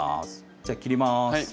じゃあ切ります。